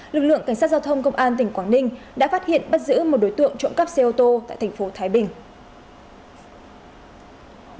lực lượng cảnh sát giao thông công an tỉnh quảng ninh đã phát hiện bắt giữ một đối tượng trộm cắp xe ô tô tại thành phố thái bình